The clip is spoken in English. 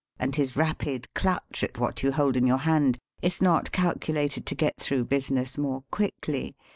" and his rapid clutch at what you hold in your hand, is not calcu lated to get through business more quickly.